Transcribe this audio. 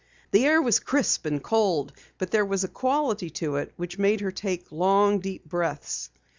The air was crisp and cold, but there was a quality to it which made her take long, deep breaths.